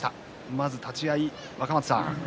まず立ち合い、若松さん